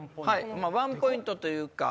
ワンポイントというか。